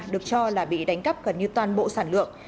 được cho là bị đánh cắp gần như toàn bộ sản lượng